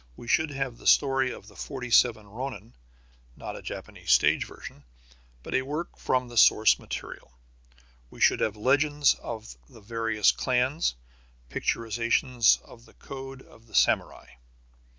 We should have the story of the Forty seven Ronin, not a Japanese stage version, but a work from the source material. We should have legends of the various clans, picturizations of the code of the Samurai.